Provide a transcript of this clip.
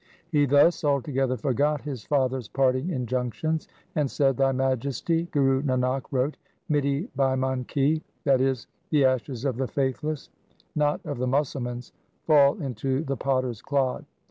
He thus altogether forgot his father's parting injunctions, and said, ' Thy Majesty, Guru Nanak wrote, ' Mitti beiman ki ', that is, the the ashes of the faithless, not of the Musalmans, fall into the potter's clod.